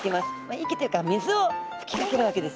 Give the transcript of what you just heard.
息っていうか水を吹きかけるわけですね。